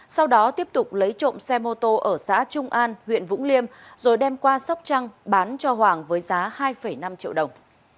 sau đó tiếp tục lấy trộm xe mô tô ở xã trung an huyện vũng liêm rồi đem qua sóc trăng bán cho hoàng với giá hai năm triệu đồng